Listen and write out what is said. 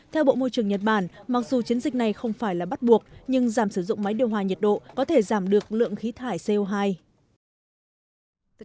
theo bộ môi trường nhật bản mặc dù chiến dịch này không phải là bắt buộc nhưng giảm sử dụng máy điều hòa nhiệt độ có thể giảm được lượng khí thải co hai